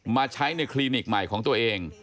มาใช้ในคลินิกใหม่ของตัวเอง